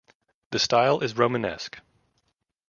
The style is Romanesque.